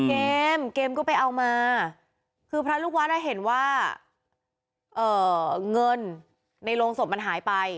อืมเกมก็ไปเอามาคือพระลูกวาดได้เห็นว่าเอ่อเงินในลงศพมันหายไป